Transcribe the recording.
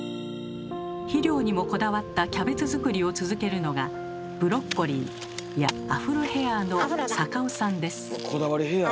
肥料にもこだわったキャベツ作りを続けるのがブロッコリーいやアフロヘアのこだわりヘアや。